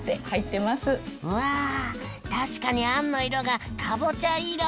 うわ確かにあんの色がカボチャ色。